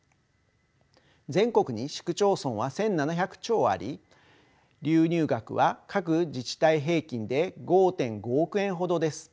全国に市区町村は１，７００超あり流入額は各自治体平均で５．５億円ほどです。